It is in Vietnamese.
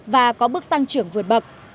và có bước tăng trưởng vượt bậc